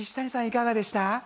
いかがでした？